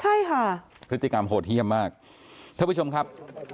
ใช่ค่ะพฤติกรรมโหดเยี่ยมมากท่านผู้ชมครับ